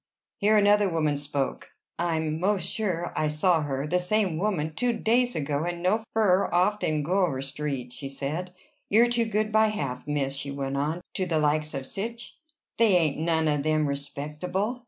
Here another woman spoke. "I'm 'most sure I saw her the same woman two days ago, and no furrer off than Gower Street," she said. "You're too good by half, miss," she went on, "to the likes of sich. They ain't none of them respectable."